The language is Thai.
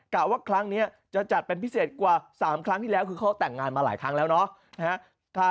ว่าครั้งนี้จะจัดเป็นพิเศษกว่า๓ครั้งที่แล้วคือเขาแต่งงานมาหลายครั้งแล้วเนาะ